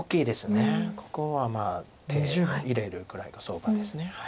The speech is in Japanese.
ここは手入れるぐらいが相場です。